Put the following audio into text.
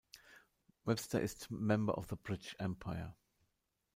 Webster ist Member of the British Empire.